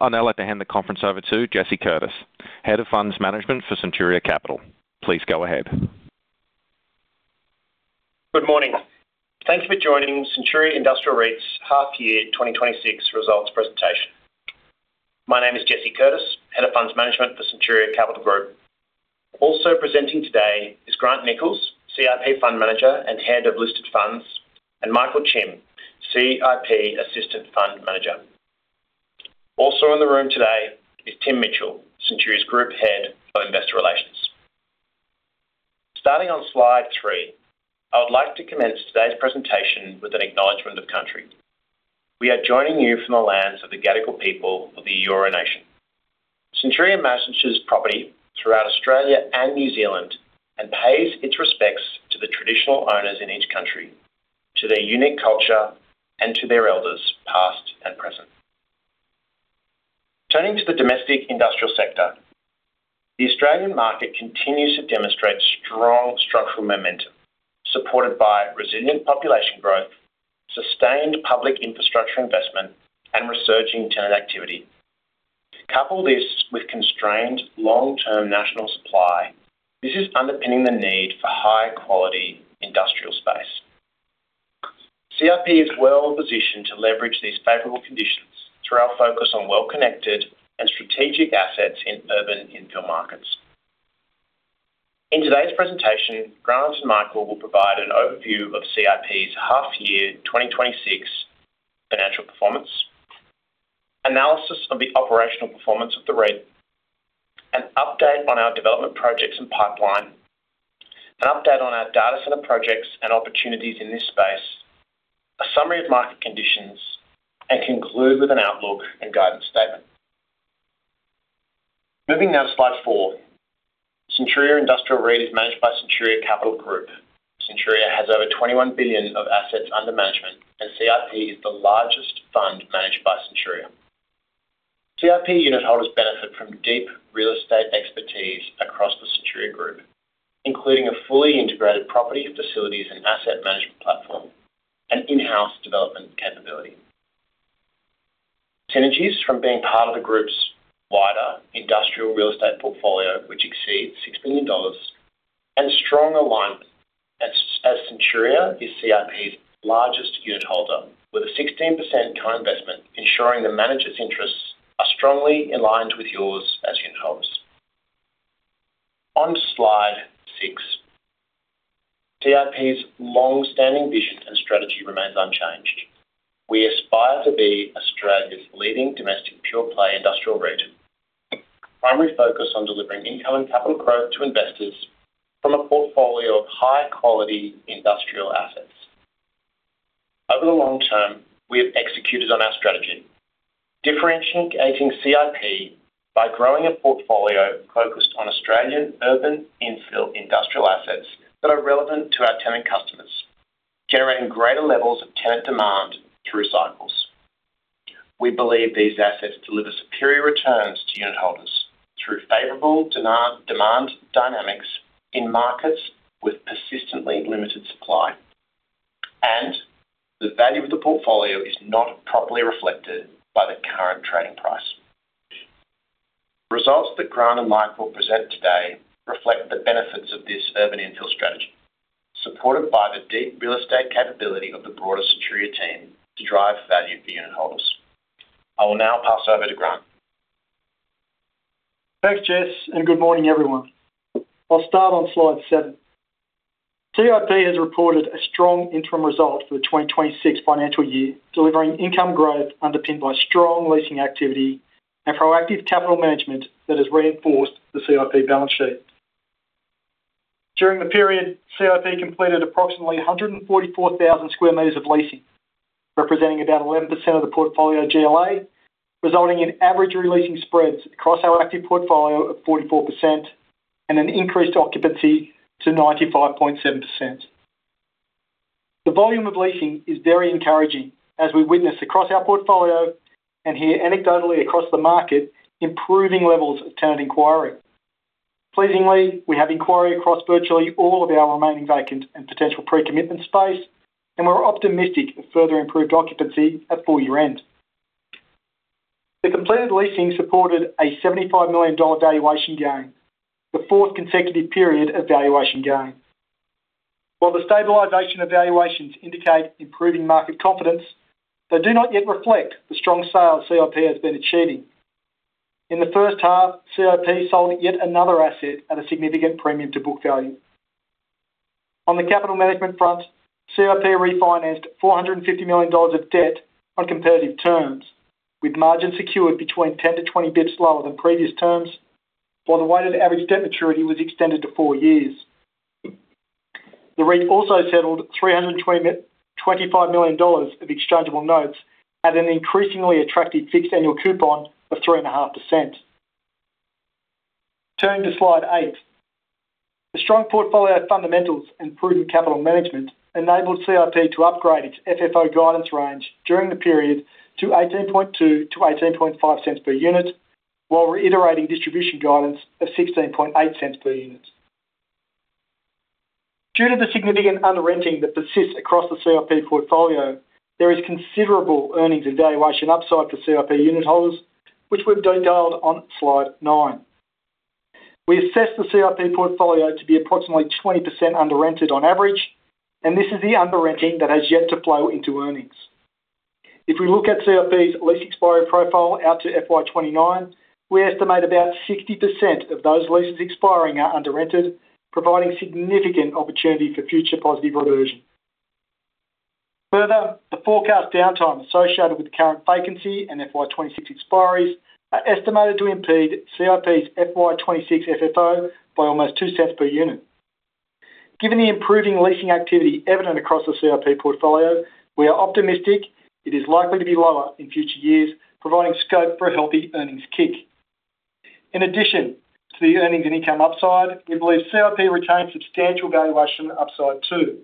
I'll now like to hand the conference over to Jesse Curtis, Head of Funds Management for Centuria Capital. Please go ahead. Good morning. Thanks for joining Centuria Industrial REIT's half year 2026 results presentation. My name is Jesse Curtis, Head of Funds Management for Centuria Capital Group. Also presenting today is Grant Nichols, CIP Fund Manager and Head of Listed Funds, and Michael Ching, CIP Assistant Fund Manager. Also in the room today is Tim Mitchell, Centuria's Group Head of Investor Relations. Starting on slide three, I would like to commence today's presentation with an acknowledgement of country. We are joining you from the lands of the Gadigal people of the Eora Nation. Centuria manages property throughout Australia and New Zealand, and pays its respects to the traditional owners in each country, to their unique culture, and to their elders, past and present. Turning to the domestic industrial sector, the Australian market continues to demonstrate strong structural momentum, supported by resilient population growth, sustained public infrastructure investment, and resurgent tenant activity. Couple this with constrained long-term national supply; this is underpinning the need for high-quality industrial space. CIP is well positioned to leverage these favorable conditions through our focus on well-connected and strategic assets in urban infill markets. In today's presentation, Grant and Michael will provide an overview of CIP's half year 2026 financial performance, analysis of the operational performance of the REIT, an update on our development projects and pipeline, an update on our data centre projects and opportunities in this space, a summary of market conditions, and conclude with an outlook and guidance statement. Moving now to slide four. Centuria Industrial REIT is managed by Centuria Capital Group. Centuria has over 21 billion of assets under management, and CIP is the largest fund managed by Centuria. CIP unitholders benefit from deep real estate expertise across the Centuria Group, including a fully integrated property facilities and asset management platform and in-house development capability. Synergies from being part of the group's wider industrial real estate portfolio, which exceeds 6 billion dollars, and strong alignment as Centuria is CIP's largest unitholder, with a 16% co-investment, ensuring the managers' interests are strongly aligned with yours as unitholders. On slide six, CIP's long-standing vision and strategy remains unchanged. We aspire to be Australia's leading domestic pure-play industrial region, primary focus on delivering income and capital growth to investors from a portfolio of high-quality industrial assets. Over the long term, we have executed on our strategy, differentiating CIP by growing a portfolio focused on Australian urban infill industrial assets that are relevant to our tenant customers, generating greater levels of tenant demand through cycles. We believe these assets deliver superior returns to unitholders through favorable demand dynamics in markets with persistently limited supply, and the value of the portfolio is not properly reflected by the current trading price. Results that Grant and Michael present today reflect the benefits of this urban infill strategy, supported by the deep real estate capability of the broader Centuria team to drive value for unitholders. I will now pass over to Grant. Thanks, Jess, and good morning, everyone. I'll start on slide seven. CIP has reported a strong interim result for the 2026 financial year, delivering income growth underpinned by strong leasing activity and proactive capital management that has reinforced the CIP balance sheet. During the period, CIP completed approximately 144,000 sq m of leasing, representing about 11% of the portfolio GLA, resulting in average re-leasing spreads across our active portfolio of 44% and an increased occupancy to 95.7%. The volume of leasing is very encouraging as we witness across our portfolio and hear anecdotally across the market, improving levels of tenant inquiry. Pleasingly, we have inquiry across virtually all of our remaining vacant and potential pre-commitment space, and we're optimistic of further improved occupancy at full year-end. The completed leasing supported a AUD 75 million valuation gain, the fourth consecutive period of valuation gain. While the stabilization of valuations indicate improving market confidence, they do not yet reflect the strong sales CIP has been achieving. In the first half, CIP sold yet another asset at a significant premium to book value. On the capital management front, CIP refinanced 450 million dollars of debt on competitive terms, with margins secured between 10 bps-20 bps lower than previous terms, while the weighted average debt maturity was extended to four years. The REIT also settled 325 million dollars of exchangeable notes at an increasingly attractive fixed annual coupon of 3.5%. Turning to slide eight. The strong portfolio fundamentals and proven capital management enabled CIP to upgrade its FFO guidance range during the period to 0.182-0.185 per unit, while reiterating distribution guidance of 0.168 per unit. Due to the significant under-renting that persists across the CIP portfolio, there is considerable earnings and valuation upside for CIP unitholders, which we've detailed on slide nine. We assess the CIP portfolio to be approximately 20% under-rented on average, and this is the under-renting that has yet to flow into earnings. If we look at CIP's lease expiry profile out to FY 2029, we estimate about 60% of those leases expiring are under-rented, providing significant opportunity for future positive reversion. Further, the forecast downtime associated with the current vacancy and FY 2026 expiries are estimated to impede CIP's FY 2026 FFO by almost 0.02 per unit. Given the improving leasing activity evident across the CIP portfolio, we are optimistic it is likely to be lower in future years, providing scope for a healthy earnings kick. In addition to the earnings and income upside, we believe CIP retains substantial valuation upside, too.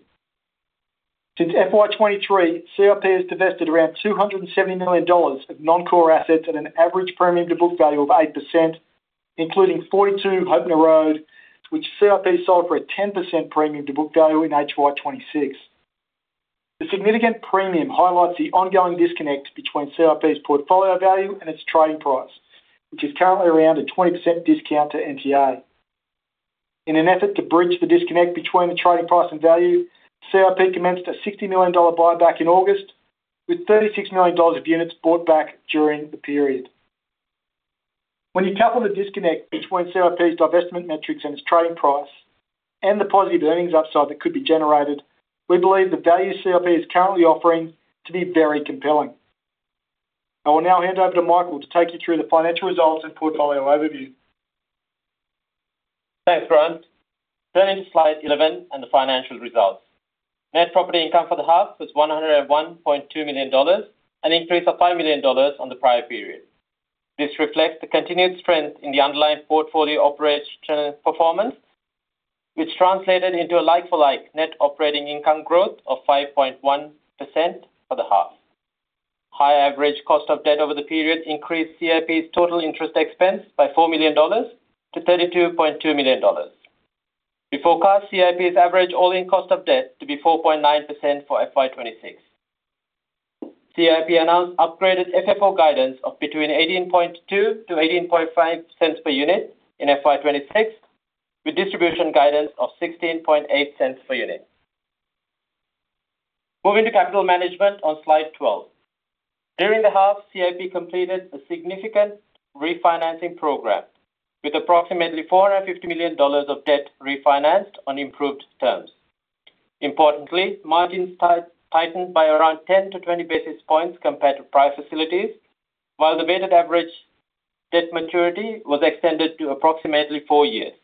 Since FY 2023, CIP has divested around 270 million dollars of non-core assets at an average premium to book value of 8%, including 42 Hoepner Road, which CIP sold for a 10% premium to book value in HY 2026. The significant premium highlights the ongoing disconnect between CIP's portfolio value and its trading price, which is currently around a 20% discount to NTA. In an effort to bridge the disconnect between the trading price and value, CIP commenced a AUD 60 million buyback in August, with AUD 36 million of units bought back during the period. When you couple the disconnect between CIP's divestment metrics and its trading price and the positive earnings upside that could be generated, we believe the value CIP is currently offering to be very compelling. I will now hand over to Michael to take you through the financial results and portfolio overview. Thanks, Grant. Turning to slide 11 and the financial results. Net property income for the half was 101.2 million dollars, an increase of 5 million dollars on the prior period. This reflects the continued strength in the underlying portfolio operational performance, which translated into a like-for-like net operating income growth of 5.1% for the half. Higher average cost of debt over the period increased CIP's total interest expense by 4 million dollars to 32.2 million dollars. We forecast CIP's average all-in cost of debt to be 4.9% for FY 2026. CIP announced upgraded FFO guidance of between 0.182-0.185 per unit in FY 2026, with distribution guidance of 0.168 per unit. Moving to capital management on slide 12. During the half, CIP completed a significant refinancing program with approximately 450 million dollars of debt refinanced on improved terms. Importantly, margins tightened by around 10 basis points-20 basis points compared to prior facilities, while the weighted average debt maturity was extended to approximately four years.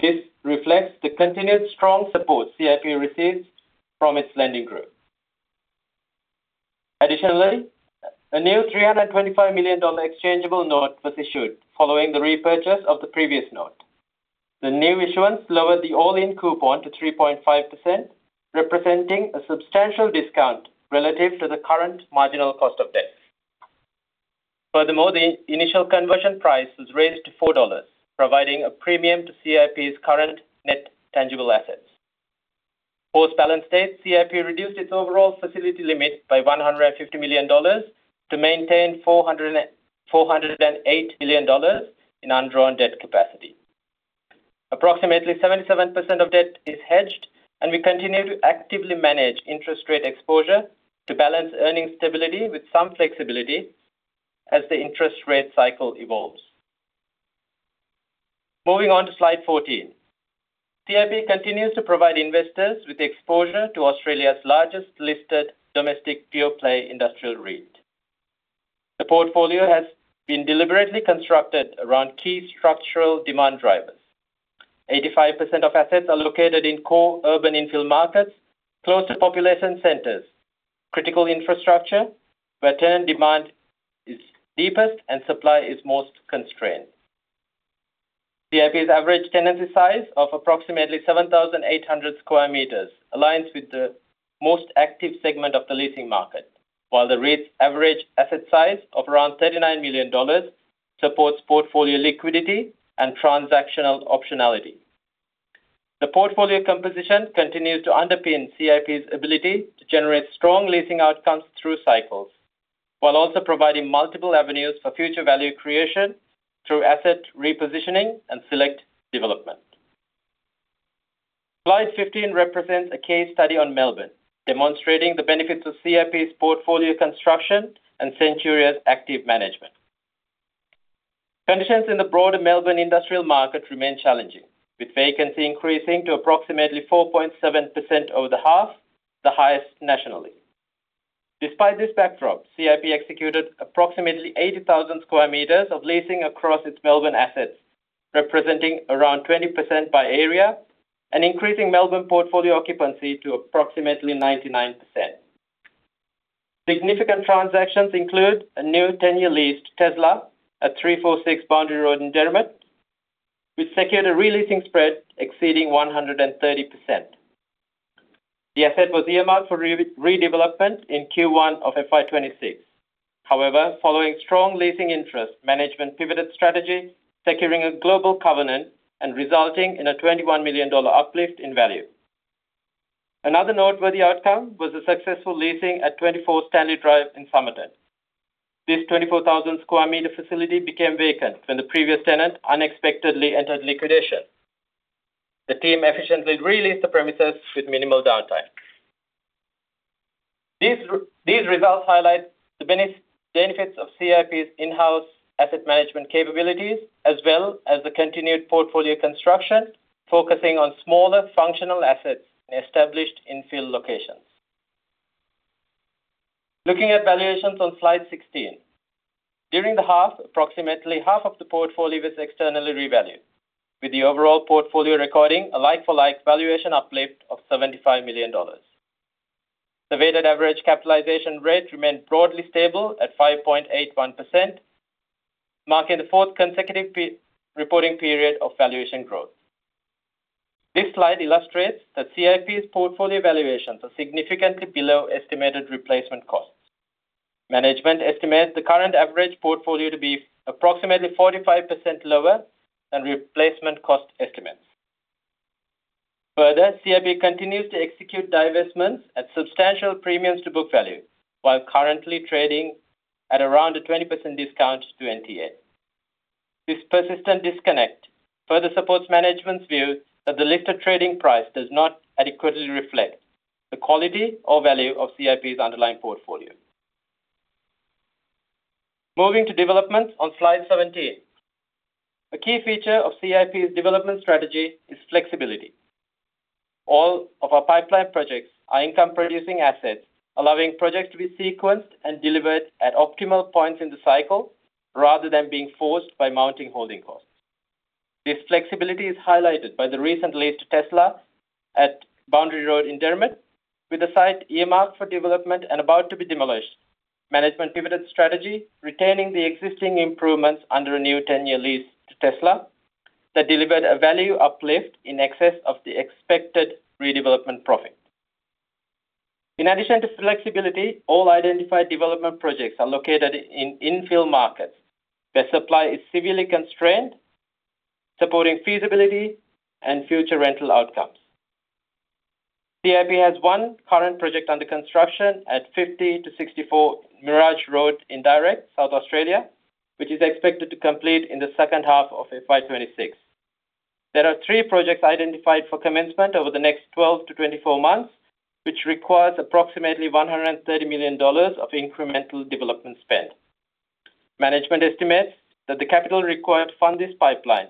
This reflects the continued strong support CIP receives from its lending group. Additionally, a new AUD 325 million exchangeable note was issued following the repurchase of the previous note. The new issuance lowered the all-in coupon to 3.5%, representing a substantial discount relative to the current marginal cost of debt. Furthermore, the initial conversion price was raised to 4 dollars, providing a premium to CIP's current net tangible assets. Post balance date, CIP reduced its overall facility limit by 150 million dollars to maintain 408 million dollars in undrawn debt capacity. Approximately 77% of debt is hedged, and we continue to actively manage interest rate exposure to balance earning stability with some flexibility as the interest rate cycle evolves. Moving on to slide 14. CIP continues to provide investors with exposure to Australia's largest listed domestic pure-play Industrial REIT. The portfolio has been deliberately constructed around key structural demand drivers. 85% of assets are located in core urban infill markets, close to population centers, critical infrastructure, where tenant demand is deepest and supply is most constrained. CIP's average tenancy size of approximately 7,800 sq m aligns with the most active segment of the leasing market, while the REIT's average asset size of around 39 million dollars supports portfolio liquidity and transactional optionality. The portfolio composition continues to underpin CIP's ability to generate strong leasing outcomes through cycles, while also providing multiple avenues for future value creation through asset repositioning and select development. Slide 15 represents a case study on Melbourne, demonstrating the benefits of CIP's portfolio construction and Centuria's active management. Conditions in the broader Melbourne Industrial market remain challenging, with vacancy increasing to approximately 4.7% over the half, the highest nationally. Despite this backdrop, CIP executed approximately 80,000 sq m of leasing across its Melbourne assets, representing around 20% by area and increasing Melbourne portfolio occupancy to approximately 99%. Significant transactions include a new 10-year lease to Telstra at 346 Boundary Road in Derrimut, which secured a re-leasing spread exceeding 130%. The asset was earmarked for redevelopment in Q1 of FY 2026. However, following strong leasing interest, management pivoted strategy, securing a global covenant and resulting in an 21 million dollar uplift in value. Another noteworthy outcome was the successful leasing at 24 Stanley Drive in Somerton. This 24,000 sq m facility became vacant when the previous tenant unexpectedly entered liquidation. The team efficiently re-leased the premises with minimal downtime. These results highlight the benefits of CIP's in-house asset management capabilities, as well as the continued portfolio construction, focusing on smaller functional assets in established infill locations. Looking at valuations on slide 16. During the half, approximately half of the portfolio was externally revalued, with the overall portfolio recording a like-for-like valuation uplift of 75 million dollars. The weighted average capitalization rate remained broadly stable at 5.81%, marking the fourth consecutive reporting period of valuation growth. This slide illustrates that CIP's portfolio valuations are significantly below estimated replacement costs. Management estimates the current average portfolio to be approximately 45% lower than replacement cost estimates. Further, CIP continues to execute divestments at substantial premiums to book value, while currently trading at around a 20% discount to NTA. This persistent disconnect further supports management's view that the listed trading price does not adequately reflect the quality or value of CIP's underlying portfolio. Moving to developments on slide 17. A key feature of CIP's development strategy is flexibility. All of our pipeline projects are income-producing assets, allowing projects to be sequenced and delivered at optimal points in the cycle, rather than being forced by mounting holding costs. This flexibility is highlighted by the recent lease to Telstra at Boundary Road in Derrimut, with the site earmarked for development and about to be demolished. Management pivoted strategy, retaining the existing improvements under a new 10-year lease to Telstra, that delivered a value uplift in excess of the expected redevelopment profit. In addition to flexibility, all identified development projects are located in infill markets, where supply is severely constrained, supporting feasibility and future rental outcomes. CIP has one current project under construction at 50-64 Mirage Road in Direk, South Australia, which is expected to complete in the second half of FY 2026. There are three projects identified for commencement over the next 12-24 months, which requires approximately 130 million dollars of incremental development spend. Management estimates that the capital required to fund this pipeline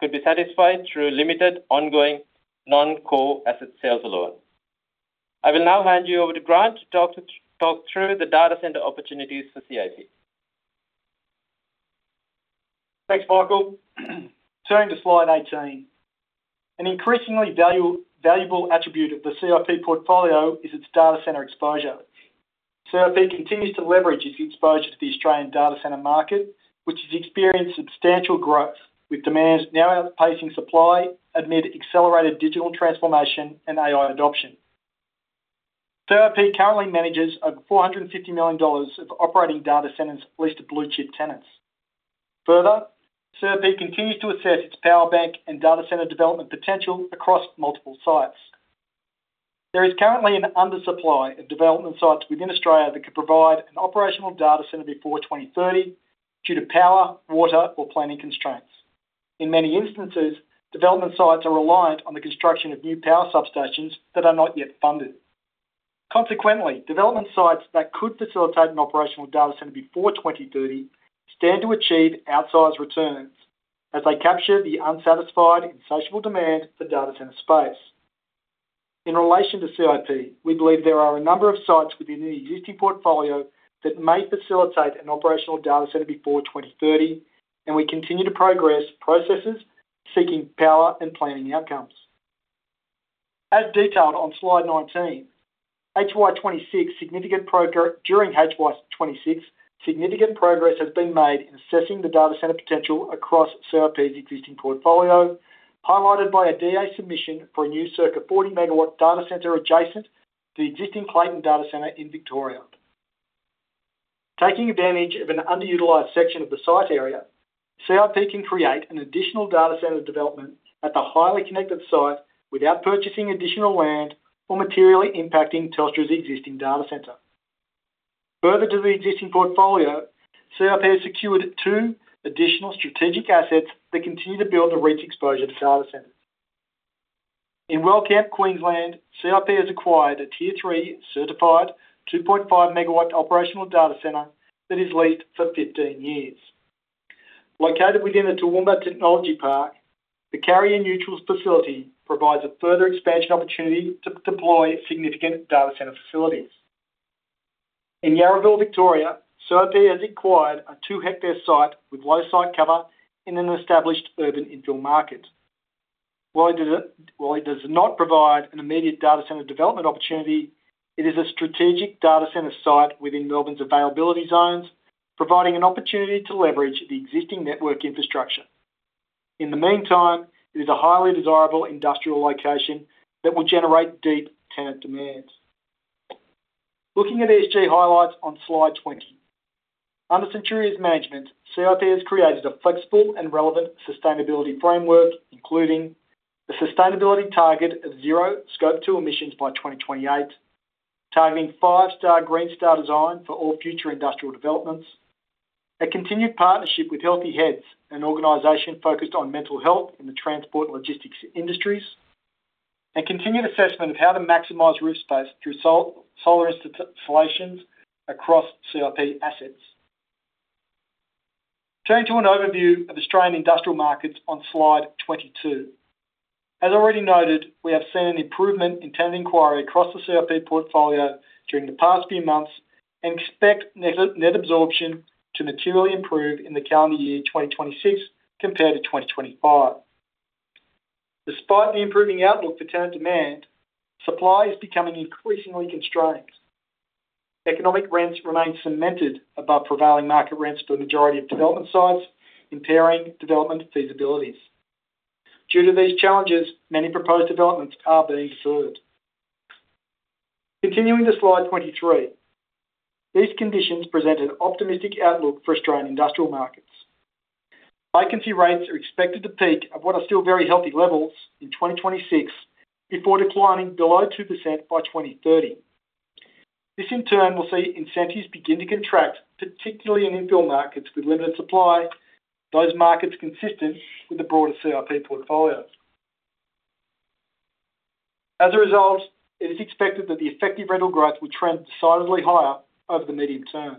could be satisfied through limited, ongoing, non-core asset sales alone. I will now hand you over to Grant to talk through the data centre opportunities for CIP. Thanks, Michael. Turning to slide 18. An increasingly valuable attribute of the CIP portfolio is its data centre exposure. CIP continues to leverage its exposure to the Australian data centre market, which has experienced substantial growth, with demands now outpacing supply amid accelerated digital transformation and AI adoption. CIP currently manages over 450 million dollars of operating data centres leased to blue chip tenants. Further, CIP continues to assess its power bank and data centre development potential across multiple sites. There is currently an undersupply of development sites within Australia that could provide an operational data centre before 2030 due to power, water, or planning constraints. In many instances, development sites are reliant on the construction of new power substations that are not yet funded. Consequently, development sites that could facilitate an operational data centre before 2030 stand to achieve outsized returns as they capture the unsatisfied, insatiable demand for data centre space. In relation to CIP, we believe there are a number of sites within the existing portfolio that may facilitate an operational data centre before 2030, and we continue to progress processes seeking power and planning outcomes. As detailed on slide 19, during HY 2026, significant progress has been made in assessing the data centre potential across CIP's existing portfolio, highlighted by a DA submission for a new circa 40 MW data centre adjacent to the existing Clayton data centre in Victoria. Taking advantage of an underutilized section of the site area, CIP can create an additional data centre development at the highly connected site without purchasing additional land or materially impacting Telstra's existing data centre. Further to the existing portfolio, CIP has secured two additional strategic assets that continue to build and reach exposure to data centres. In Wellcamp, Queensland, CIP has acquired a Tier 3 certified 2.5 MW operational data centre that is leased for 15 years. Located within the Toowoomba Technology Park, the carrier neutral facility provides a further expansion opportunity to deploy significant data centre facilities. In Yarraville, Victoria, CIP has acquired a 2 ha site with low site cover in an established urban infill market. While it does not provide an immediate data centre development opportunity, it is a strategic data centre site within Melbourne's availability zones, providing an opportunity to leverage the existing network infrastructure. In the meantime, it is a highly desirable industrial location that will generate deep tenant demands. Looking at ESG highlights on slide 20. Under Centuria's management, CIP has created a flexible and relevant sustainability framework, including the sustainability target of zero Scope 2 emissions by 2028, targeting 5-star Green Star design for all future industrial developments, a continued partnership with Healthy Heads, an organization focused on mental health in the transport and logistics industries, and continued assessment of how to maximize roof space through solar installations across CIP assets. Turning to an overview of Australian Industrial markets on slide 22. As already noted, we have seen an improvement in tenant inquiry across the CIP portfolio during the past few months and expect net absorption to materially improve in the calendar year 2026 compared to 2025. Despite the improving outlook for tenant demand, supply is becoming increasingly constrained. Economic rents remain cemented above prevailing market rents for the majority of development sites, impairing development feasibilities. Due to these challenges, many proposed developments are being deferred. Continuing to slide 23. These conditions present an optimistic outlook for Australian Industrial markets. Vacancy rates are expected to peak at what are still very healthy levels in 2026, before declining below 2% by 2030. This, in turn, will see incentives begin to contract, particularly in infill markets with limited supply, those markets consistent with the broader CIP portfolio. As a result, it is expected that the effective rental growth will trend decidedly higher over the medium term.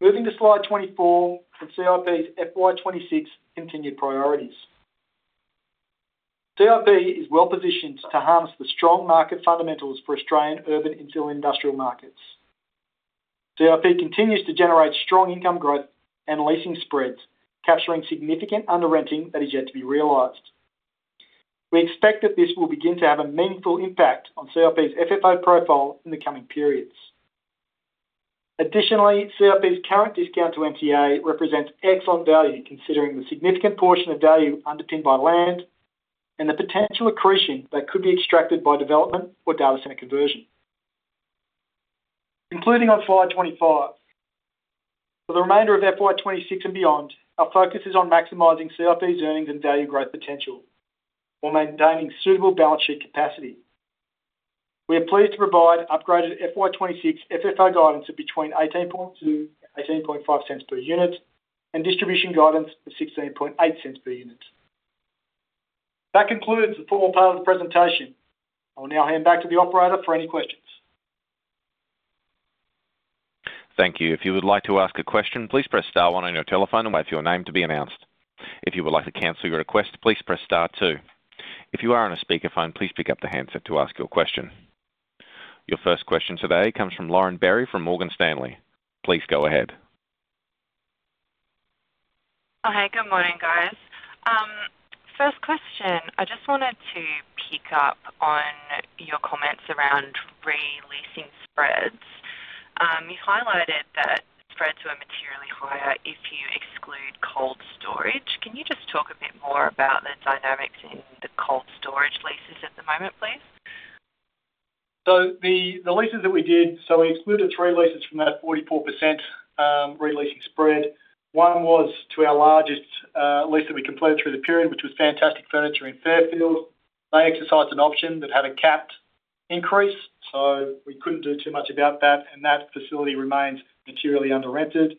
Moving to slide 24, for CIP's FY 2026 continued priorities. CIP is well positioned to harness the strong market fundamentals for Australian urban infill Industrial markets. CIP continues to generate strong income growth and leasing spreads, capturing significant underrenting that is yet to be realized. We expect that this will begin to have a meaningful impact on CIP's FFO profile in the coming periods. Additionally, CIP's current discount to NTA represents excellent value, considering the significant portion of value underpinned by land and the potential accretion that could be extracted by development or data centre conversion. Concluding on slide 25. For the remainder of FY 2026 and beyond, our focus is on maximizing CIP's earnings and value growth potential, while maintaining suitable balance sheet capacity. We are pleased to provide upgraded FY 2026 FFO guidance of between 0.182-0.185 per unit, and distribution guidance of 0.168 per unit. That concludes the formal part of the presentation. I will now hand back to the operator for any questions. Thank you. If you would like to ask a question, please press star one on your telephone and wait for your name to be announced. If you would like to cancel your request, please press star two. If you are on a speakerphone, please pick up the handset to ask your question. Your first question today comes from Lauren Berry from Morgan Stanley. Please go ahead. Hi, good morning, guys. First question, I just wanted to pick up on your comments around re-leasing spreads. You highlighted that spreads were materially higher if you exclude cold storage. Can you just talk a bit more about the dynamics in the cold storage leases at the moment, please? So the leases that we did, so we excluded three leases from that 44% re-leasing spread. One was to our largest lease that we completed through the period, which was Fantastic Furniture in Fairfield. They exercised an option that had a capped increase, so we couldn't do too much about that, and that facility remains materially underrented.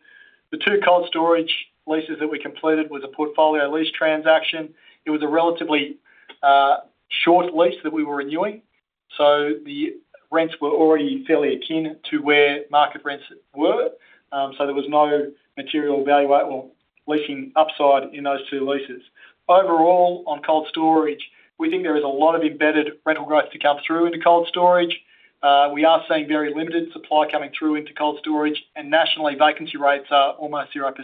The two cold storage leases that we completed was a portfolio lease transaction. It was a relatively short lease that we were renewing, so the rents were already fairly akin to where market rents were. So there was no material value or leasing upside in those two leases. Overall, on cold storage, we think there is a lot of embedded rental growth to come through into cold storage. We are seeing very limited supply coming through into cold storage, and nationally, vacancy rates are almost 0%.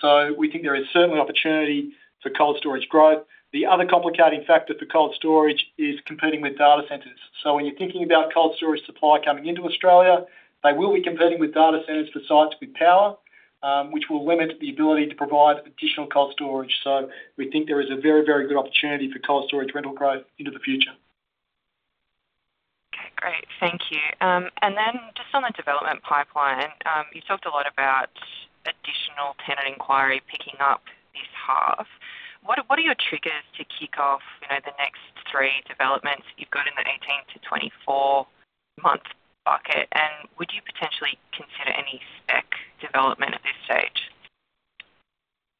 So we think there is certainly opportunity for cold storage growth. The other complicating factor for cold storage is competing with data centres. So when you're thinking about cold storage supply coming into Australia, they will be competing with data centres for sites with power, which will limit the ability to provide additional cold storage. So we think there is a very, very good opportunity for cold storage rental growth into the future. Okay, great. Thank you. Then just on the development pipeline, you talked a lot about additional tenant inquiry picking up this half. What are your triggers to kick off, you know, the next three developments you've got in the 18-24-month bucket, and would you potentially consider any spec development at this stage?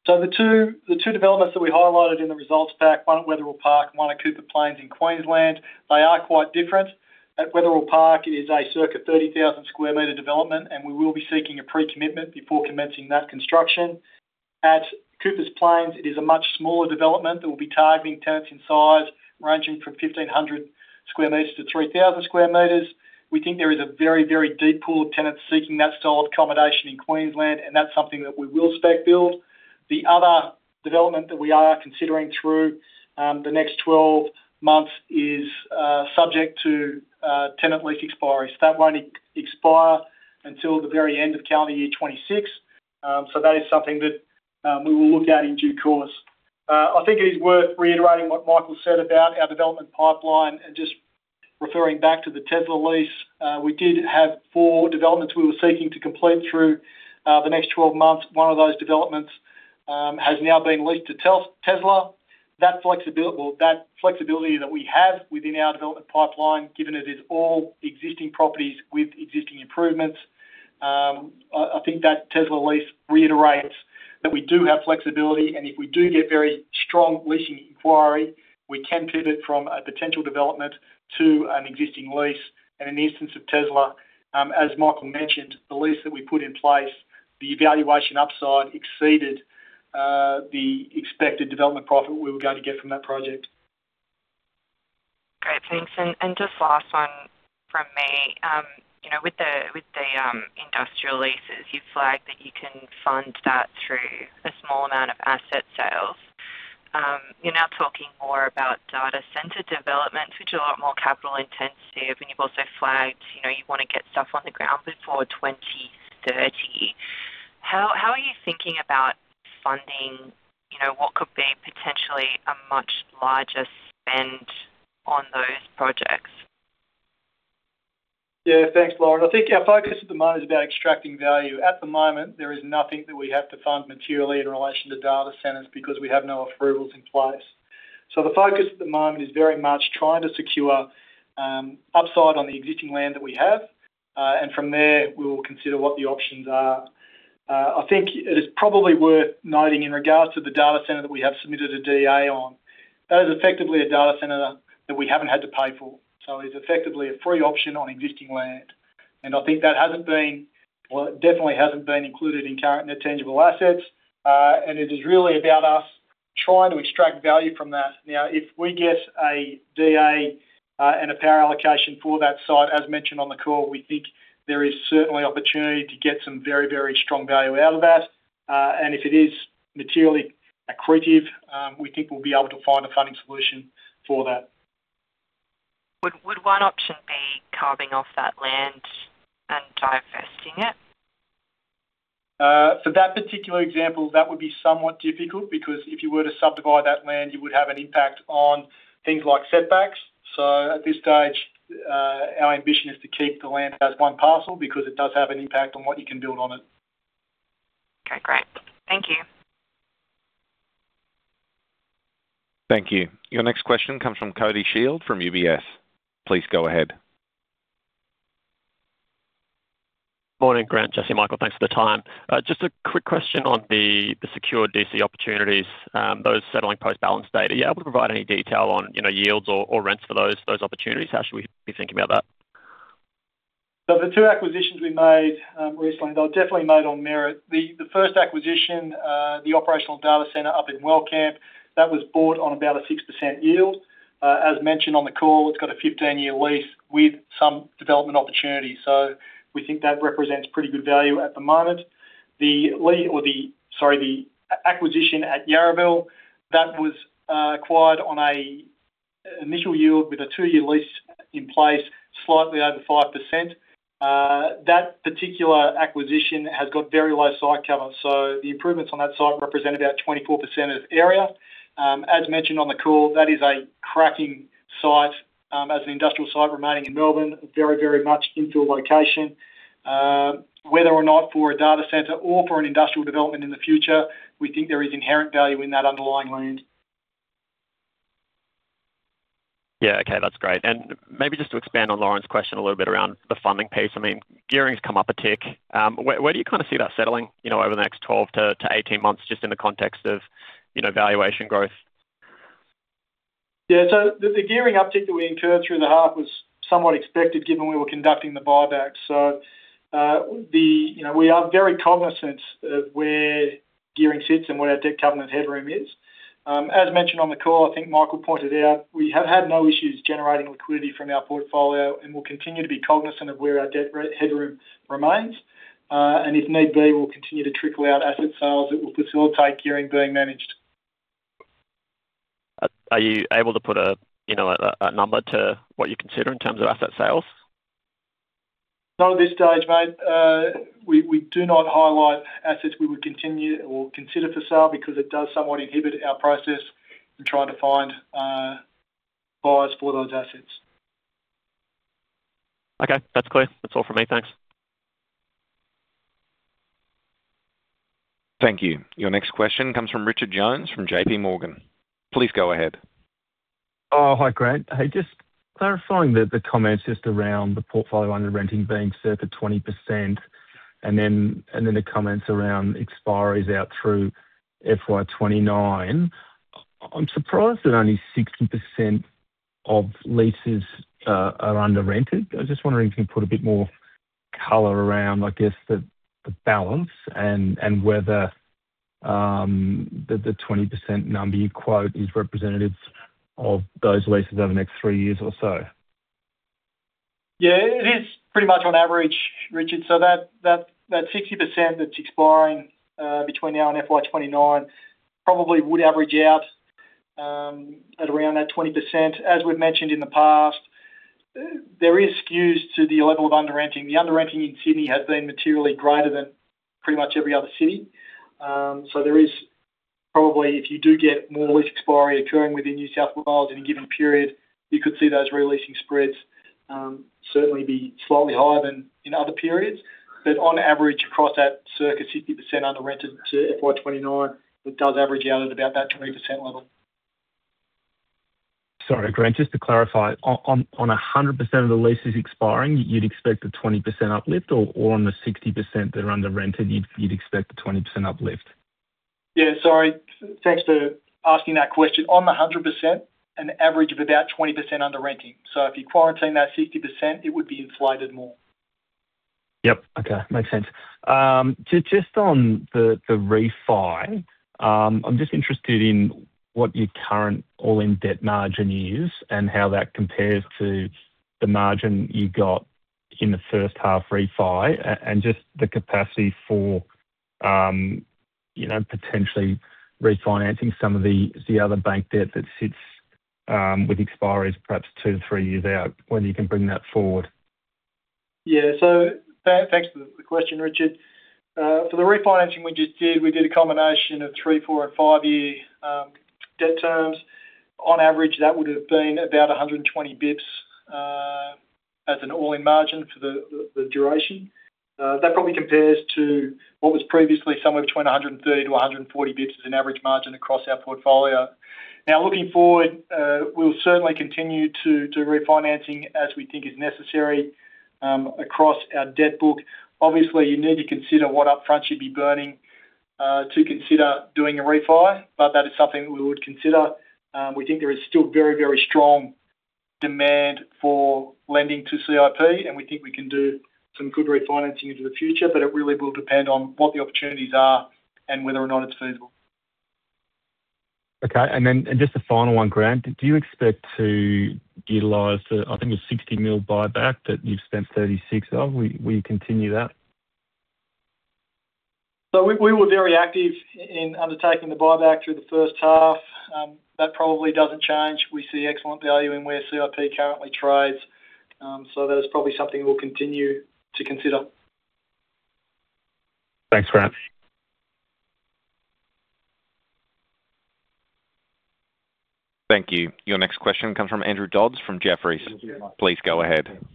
So the two developments that we highlighted in the results pack, one at Wetherill Park, one at Coopers Plains in Queensland, they are quite different. At Wetherill Park, it is a circa 30,000 sq m development, and we will be seeking a pre-commitment before commencing that construction. At Coopers Plains, it is a much smaller development that will be targeting tenants in size ranging from 1,500 sq m to 3,000 sq m. We think there is a very, very deep pool of tenants seeking that style of accommodation in Queensland, and that's something that we will spec build. The other development that we are considering through the next 12 months is subject to tenant lease expiry. So that won't expire until the very end of calendar year 2026. So that is something that we will look at in due course. I think it is worth reiterating what Michael said about our development pipeline, and just referring back to the Telstra lease. We did have four developments we were seeking to complete through the next 12 months. One of those developments has now been leased to Telstra. That flexibility that we have within our development pipeline, given it is all existing properties with existing improvements, well, I think that Telstra lease reiterates that we do have flexibility, and if we do get very strong leasing inquiry, we can pivot from a potential development to an existing lease. In the instance of Telstra, as Michael mentioned, the lease that we put in place, the valuation upside exceeded the expected development profit we were going to get from that project. Great, thanks. And just last one from me. You know, with the industrial leases, you flagged that you can fund that through a small amount of asset sales. You're now talking more about data centre developments, which are a lot more capital intensive, and you've also flagged, you know, you want to get stuff on the ground before 2030. How are you thinking about funding, you know, what could be potentially a much larger spend on those projects? Yeah, thanks, Lauren. I think our focus at the moment is about extracting value. At the moment, there is nothing that we have to fund materially in relation to data centres because we have no approvals in place. So the focus at the moment is very much trying to secure upside on the existing land that we have, and from there, we will consider what the options are. I think it is probably worth noting in regards to the data centre that we have submitted a DA on, that is effectively a data centre that we haven't had to pay for, so it's effectively a free option on existing land. And I think that hasn't been, well, it definitely hasn't been included in current net tangible assets, and it is really about us trying to extract value from that. Now, if we get a DA, and a power allocation for that site, as mentioned on the call, we think there is certainly opportunity to get some very, very strong value out of that. And if it is materially accretive, we think we'll be able to find a funding solution for that. Would one option be carving off that land and divesting it? For that particular example, that would be somewhat difficult because if you were to subdivide that land, you would have an impact on things like setbacks. So at this stage, our ambition is to keep the land as one parcel because it does have an impact on what you can build on it. Okay, great. Thank you. Thank you. Your next question comes from Cody Shield from UBS. Please go ahead. Morning, Grant, Jesse, Michael, thanks for the time. Just a quick question on the secure DC opportunities, those settling post-balance date. Are you able to provide any detail on, you know, yields or rents for those opportunities? How should we be thinking about that? So the two acquisitions we made recently, they were definitely made on merit. The first acquisition, the operational data centre up in Wellcamp, that was bought on about a 6% yield. As mentioned on the call, it's got a 15-year lease with some development opportunities, so we think that represents pretty good value at the moment. The acquisition at Yarraville, that was acquired on an initial yield with a two-year lease in place, slightly over 5%. That particular acquisition has got very low site cover, so the improvements on that site represent about 24% of the area. As mentioned on the call, that is a cracking site as an industrial site remaining in Melbourne, very, very much infill location. Whether or not for a data centre or for an industrial development in the future, we think there is inherent value in that underlying land. Yeah, okay, that's great. Maybe just to expand on Lauren's question a little bit around the funding piece. I mean, gearing's come up a tick. Where do you kind of see that settling, you know, over the next 12-18 months, just in the context of, you know, valuation growth? Yeah, so the gearing uptick that we incurred through the half was somewhat expected, given we were conducting the buyback. So, you know, we are very cognizant of where gearing sits and what our debt covenant headroom is. As mentioned on the call, I think Michael pointed out, we have had no issues generating liquidity from our portfolio and will continue to be cognizant of where our debt headroom remains. And if need be, we'll continue to trickle out asset sales that will facilitate gearing being managed. Are you able to put a, you know, number to what you consider in terms of asset sales? Not at this stage, mate. We, we do not highlight assets we would continue or consider for sale because it does somewhat inhibit our process in trying to find buyers for those assets. Okay, that's clear. That's all from me. Thanks. Thank you. Your next question comes from Richard Jones, from JPMorgan. Please go ahead. Oh, hi, Grant. Hey, just clarifying the comments just around the portfolio under-renting being set for 20%, and then the comments around expiries out through FY 2029. I'm surprised that only 60% of leases are under-rented. I was just wondering if you could put a bit more color around, I guess, the balance and whether the 20% number you quote is representative of those leases over the next three years or so. Yeah, it is pretty much on average, Richard. So that that 60% that's expiring between now and FY 2029 probably would average out at around that 20%. As we've mentioned in the past, there is skew to the level of under-renting. The under-renting in Sydney has been materially greater than pretty much every other city. So there is probably, if you do get more lease expiry occurring within New South Wales in a given period, you could see those re-leasing spreads certainly be slightly higher than in other periods. But on average, across that circa 60% under-rented to FY 2029, it does average out at about that 20% level. Sorry, Grant, just to clarify, on 100% of the leases expiring, you'd expect a 20% uplift or on the 60% that are under-rented, you'd expect a 20% uplift? Yeah, sorry. Thanks for asking that question. On the 100%, an average of about 20% under renting. So if you're quarantining that 60%, it would be inflated more. Yep. Okay, makes sense. So just on the refi, I'm just interested in what your current all-in debt margin is and how that compares to the margin you got in the first half refi, and just the capacity for, you know, potentially refinancing some of the other bank debt that sits with expiries perhaps two to three years out, whether you can bring that forward. Yeah. So thanks for the question, Richard. For the refinancing we just did, we did a combination of three to four, and five-year debt terms. On average, that would have been about 120 bps as an all-in margin for the duration. That probably compares to what was previously somewhere between 130 bps-140 bps as an average margin across our portfolio. Now, looking forward, we'll certainly continue to refinancing as we think is necessary across our debt book. Obviously, you need to consider what upfront you'd be burning to consider doing a refi, but that is something we would consider. We think there is still very, very strong demand for lending to CIP, and we think we can do some good refinancing into the future, but it really will depend on what the opportunities are and whether or not it's feasible. Okay, and then, and just a final one, Grant. Do you expect to utilize the, I think, the 60 million buyback that you've spent 36 million of? Will you, will you continue that? So we were very active in undertaking the buyback through the first half. That probably doesn't change. We see excellent value in where CIP currently trades, so that is probably something we'll continue to consider. Thanks, Grant. Thank you. Your next question comes from Andrew Dodds, from Jefferies. Please go ahead.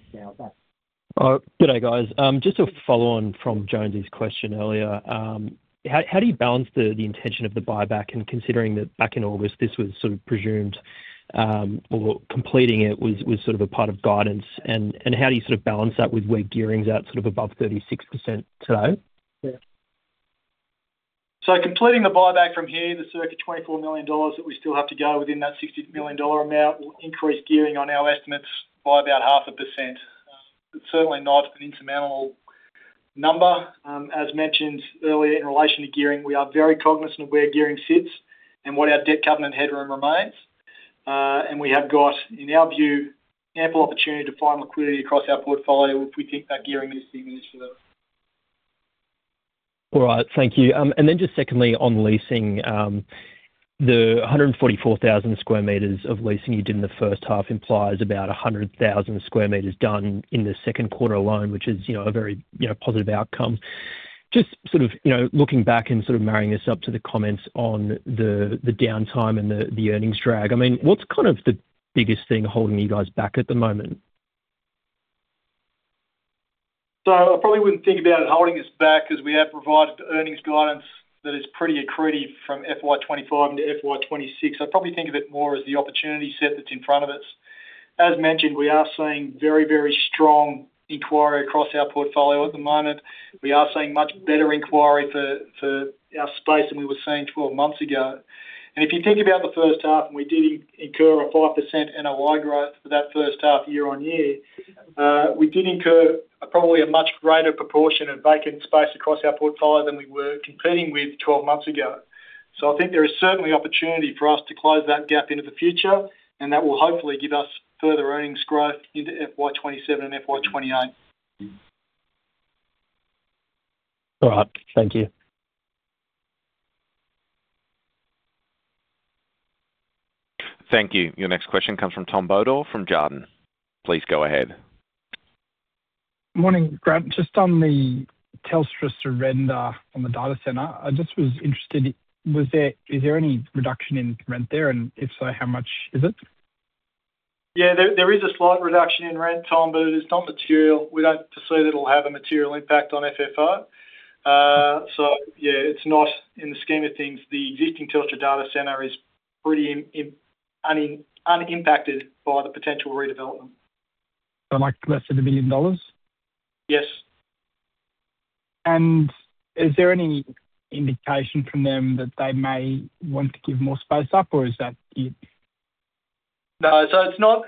Good day, guys. Just to follow on from Jones' question earlier, how do you balance the intention of the buyback and considering that back in August, this was sort of presumed or completing it was sort of a part of guidance, and how do you sort of balance that with where gearing's at, sort of above 36% today? So completing the buyback from here, the circa 24 million dollars that we still have to go within that 60 million dollar amount, will increase gearing on our estimates by about 0.5%. It's certainly not an insurmountable number. As mentioned earlier, in relation to gearing, we are very cognizant of where gearing sits and what our debt covenant headroom remains. And we have got, in our view, ample opportunity to find liquidity across our portfolio if we think that gearing needs to be managed further. All right, thank you. And then just secondly, on leasing, the 144,000 sq m of leasing you did in the first half implies about 100,000 sq m done in the second quarter alone, which is, you know, a very, you know, positive outcome. Just sort of, you know, looking back and sort of marrying this up to the comments on the, the downtime and the, the earnings drag, I mean, what's kind of the biggest thing holding you guys back at the moment? I probably wouldn't think about it holding us back, as we have provided the earnings guidance that is pretty accretive from FY 2025 to FY 2026. I'd probably think of it more as the opportunity set that's in front of us. As mentioned, we are seeing very, very strong inquiry across our portfolio at the moment. We are seeing much better inquiry for our space than we were seeing 12 months ago. If you think about the first half, we did incur a 5% NOI growth for that first half year-on-year. We did incur a probably a much greater proportion of vacant space across our portfolio than we were competing with 12 months ago. I think there is certainly opportunity for us to close that gap into the future, and that will hopefully give us further earnings growth into FY 2027 and FY 2028. All right. Thank you. Thank you. Your next question comes from Tom Bodor, from Jarden. Please go ahead. Morning, Grant. Just on the Telstra surrender on the data centre, I just was interested, was there, is there any reduction in rent there? And if so, how much is it? Yeah, there is a slight reduction in rent, Tom, but it's not material. We don't foresee that it'll have a material impact on FFO. So yeah, it's not in the scheme of things, the existing Telstra data centre is pretty unimpacted by the potential redevelopment. Like less than 1 million dollars? Yes. Is there any indication from them that they may want to give more space up, or is that it? No. So it's not.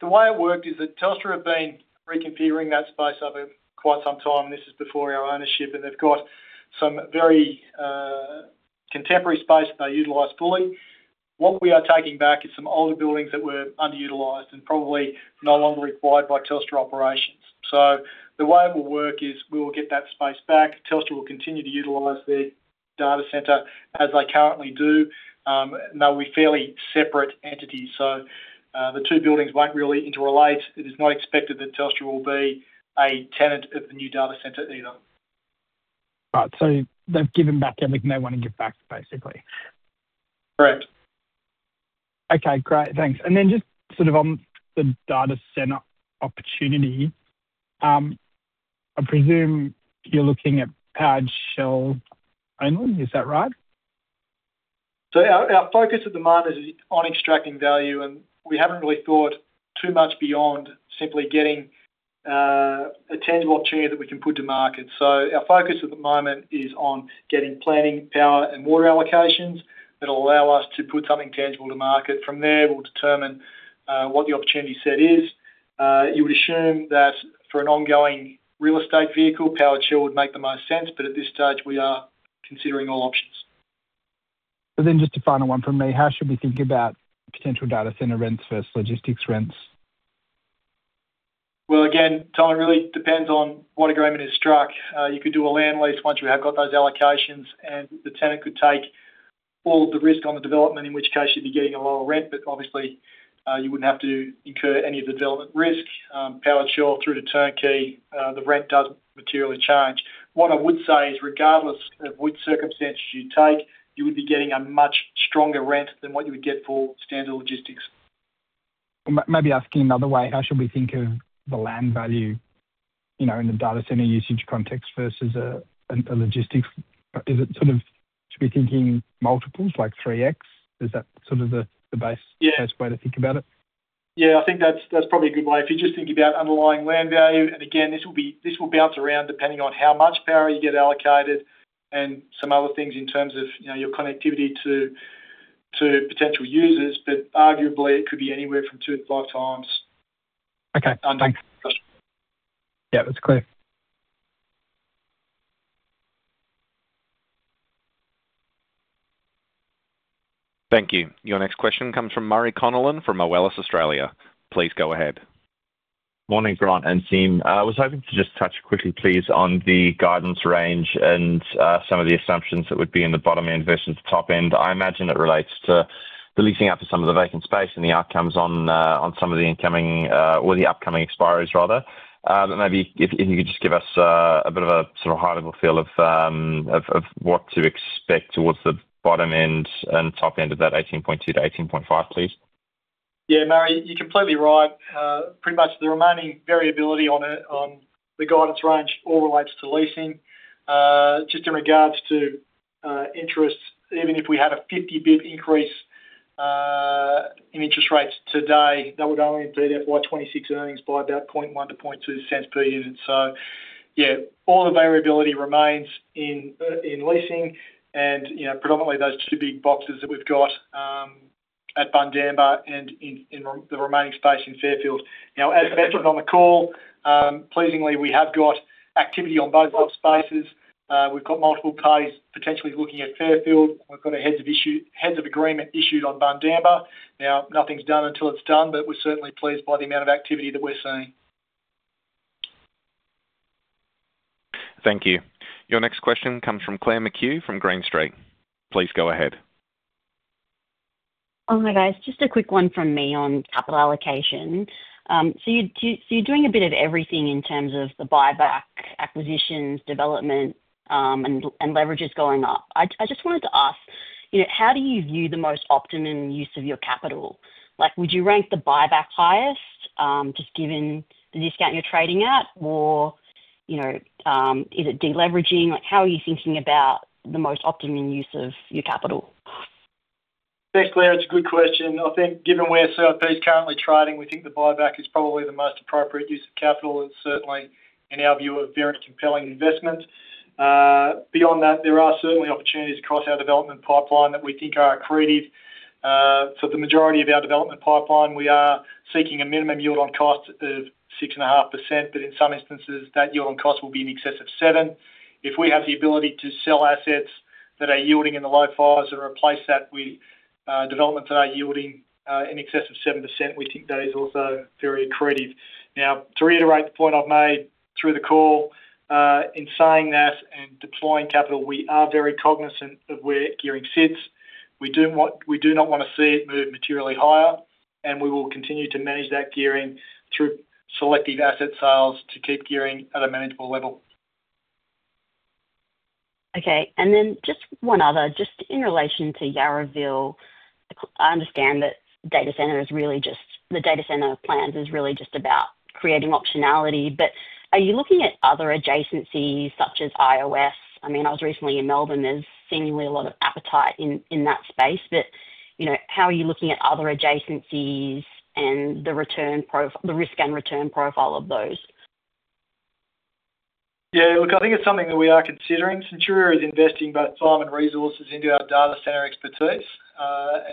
The way it worked is that Telstra have been reconfiguring that space over quite some time. This is before our ownership, and they've got some very, contemporary space that they utilize fully. What we are taking back is some older buildings that were underutilized and probably no longer required by Telstra operations. So the way it will work is we will get that space back. Telstra will continue to utilize the data centre as they currently do, and they'll be fairly separate entities. So, the two buildings won't really interrelate. It is not expected that Telstra will be a tenant of the new data centre either. Right. So they've given back everything they want to give back, basically? Correct. Okay, great. Thanks. And then just sort of on the data centre opportunity, I presume you're looking at powered shell only. Is that right? So our focus at the moment is on extracting value, and we haven't really thought too much beyond simply getting a tangible opportunity that we can put to market. So our focus at the moment is on getting planning, power, and water allocations that will allow us to put something tangible to market. From there, we'll determine what the opportunity set is. You would assume that for an ongoing real estate vehicle, powered shell would make the most sense, but at this stage, we are considering all options. So then just a final one from me. How should we think about potential data centre rents versus logistics rents? Well, again, Tom, it really depends on what agreement is struck. You could do a land lease once you have got those allocations, and the tenant could take all the risk on the development, in which case you'd be getting a lower rent, but obviously, you wouldn't have to incur any of the development risk. Powered shell through to turnkey, the rent doesn't materially change. What I would say is, regardless of which circumstances you take, you would be getting a much stronger rent than what you would get for standard logistics. Maybe asking another way, how should we think of the land value, you know, in the data centre usage context versus a logistics? Is it sort of, should be thinking multiples, like 3x? Is that sort of the base- Yeah. Best way to think about it? Yeah, I think that's, that's probably a good way. If you just think about underlying land value, and again, this will be, this will bounce around depending on how much power you get allocated and some other things in terms of, you know, your connectivity to, to potential users, but arguably, it could be anywhere from 2x-5x. Okay, thanks. Underneath. Yeah, that's clear. Thank you. Your next question comes from Murray Connellan, from Moelis Australia. Please go ahead. Morning, Grant and team. I was hoping to just touch quickly, please, on the guidance range and some of the assumptions that would be in the bottom end versus the top end. I imagine it relates to the leasing out to some of the vacant space and the outcomes on some of the incoming or the upcoming expiries, rather. But maybe if you could just give us a bit of a sort of high-level feel of what to expect towards the bottom end and top end of that 0.182-0.185, please. Yeah, Murray, you're completely right. Pretty much the remaining variability on it, on the guidance range, all relates to leasing. Just in regards to interest, even if we had a 50 basis point increase in interest rates today, that would only feed FY 2026 earnings by about 0.01-0.02 per unit. So yeah, all the variability remains in leasing and, you know, predominantly those two big boxes that we've got at Bundamba and in the remaining space in Fairfield. Now, as mentioned on the call, pleasingly, we have got activity on both of spaces. We've got multiple parties potentially looking at Fairfield. We've got a heads of agreement issued on Bundamba. Now, nothing's done until it's done, but we're certainly pleased by the amount of activity that we're seeing. Thank you. Your next question comes from Claire McKew from Green Street. Please go ahead. Hi, guys. Just a quick one from me on capital allocation. So you're doing a bit of everything in terms of the buyback, acquisitions, development, and leverage is going up. I just wanted to ask, you know, how do you view the most optimum use of your capital? Like, would you rank the buyback highest, just given the discount you're trading at, or, you know, is it deleveraging? Like, how are you thinking about the most optimum use of your capital? Thanks, Claire. It's a good question. I think given where CIP is currently trading, we think the buyback is probably the most appropriate use of capital, and certainly, in our view, a very compelling investment. Beyond that, there are certainly opportunities across our development pipeline that we think are accretive. So the majority of our development pipeline, we are seeking a minimum yield on cost of 6.5%, but in some instances, that yield on cost will be in excess of 7%. If we have the ability to sell assets that are yielding in the low 5s and replace that with developments that are yielding in excess of 7%, we think that is also very accretive. Now, to reiterate the point I've made through the call, in saying that and deploying capital, we are very cognizant of where gearing sits. We do not want to see it move materially higher, and we will continue to manage that gearing through selective asset sales to keep gearing at a manageable level. Okay, and then just one other, just in relation to Yarraville. I understand that data centre is really just, the data centre plans is really just about creating optionality, but are you looking at other adjacencies such as iOS? I mean, I was recently in Melbourne. There's seemingly a lot of appetite in, in that space, but, you know, how are you looking at other adjacencies and the risk and return profile of those? Yeah, look, I think it's something that we are considering. Centuria is investing both time and resources into our data centre expertise,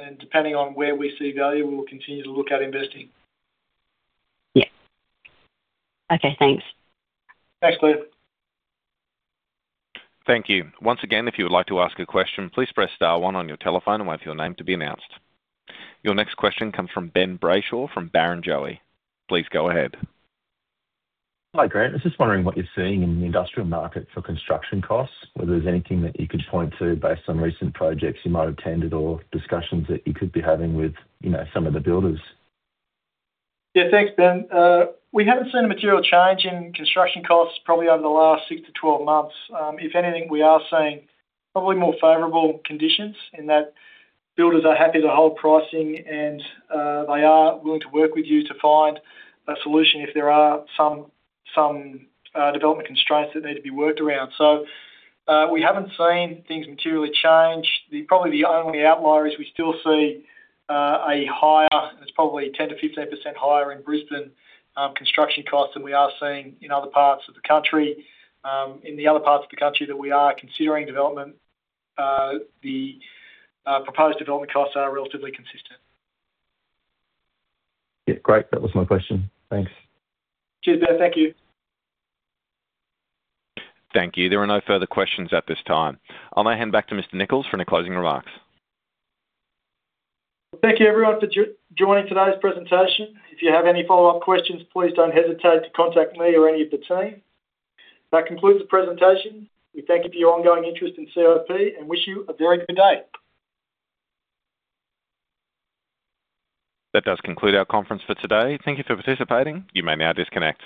and depending on where we see value, we will continue to look at investing. Yeah. Okay, thanks. Thanks, Claire. Thank you. Once again, if you would like to ask a question, please press star one on your telephone and wait for your name to be announced. Your next question comes from Ben Brayshaw, from Barrenjoey. Please go ahead. Hi, Grant. I was just wondering what you're seeing in the Industrial market for construction costs, whether there's anything that you could point to based on recent projects you might have attended or discussions that you could be having with, you know, some of the builders? Yeah, thanks, Ben. We haven't seen a material change in construction costs, probably over the last six to 12 months. If anything, we are seeing probably more favorable conditions in that builders are happy to hold pricing, and they are willing to work with you to find a solution if there are some development constraints that need to be worked around. So, we haven't seen things materially change. The probably the only outlier is we still see a higher, it's probably 10%-15% higher in Brisbane, construction costs than we are seeing in other parts of the country. In the other parts of the country that we are considering development, the proposed development costs are relatively consistent. Yeah, great. That was my question. Thanks. Cheers, Ben. Thank you. Thank you. There are no further questions at this time. I'll now hand back to Mr. Nichols for any closing remarks. Thank you, everyone, for joining today's presentation. If you have any follow-up questions, please don't hesitate to contact me or any of the team. That concludes the presentation. We thank you for your ongoing interest in CIP and wish you a very good day. That does conclude our conference for today. Thank you for participating. You may now disconnect.